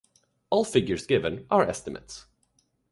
All figures given are estimates.